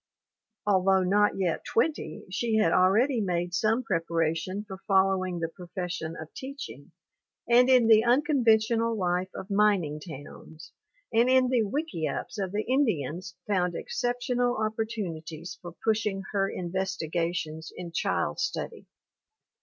Although not yet twenty, she had already made some preparation for following the profession of teaching, and in the unconventional life of mining towns, and in the wick iups of the Indians found exceptional opportunities for pushing her investigations in child study.